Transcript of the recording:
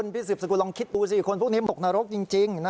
พี่สืบสกุลลองคิดดูสิคนพวกนี้หมกนรกจริง